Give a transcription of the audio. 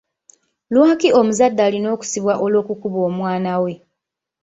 Lwaki omuzadde alina okusibibwa olw'okukuba omwana we?